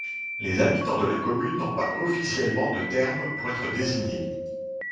Les habitants de la commune n'ont pas officiellement de termes pour être désigné.